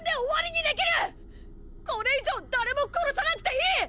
これ以上誰も殺さなくていい！！